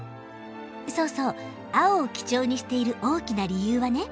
そうそう青を基調にしている大きな理由はね